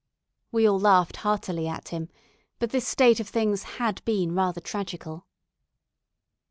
We all laughed heartily at him, but this state of things had been rather tragical.